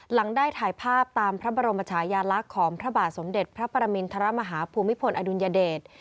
หลังได้ถ่ายภาพตามพระบรมชายาลักษณ์ของพระบาทสมเด็จพระปรมินทรมาฮาภูมิพลอดุลยเดช